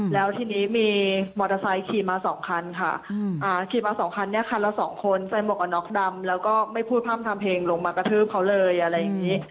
แล้วทีนี้มีมอเตอร์ไซค์ขี่มาสองคันค่ะขี่มาสองคันเนี่ยคันเราสองคนใส่หมวกกันน็อกดำแล้วก็ไม่พูดพร่ำทำเพลงลงมากระทืบเขาเลยอะไรอย่างนี้